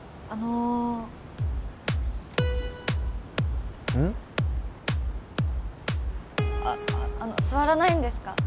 あっあの座らないんですか？